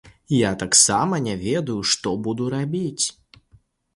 Я таксама не ведаю, што буду рабіць.